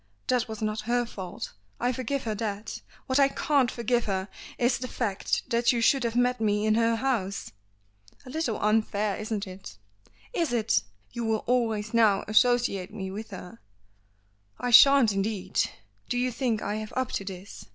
That was not her fault; I forgive her that. What I can't forgive her, is the fact that you should have met me in her house." "A little unfair, isn't it?" "Is it? You will always now associate me with her!" "I shan't indeed. Do you think I have up to this?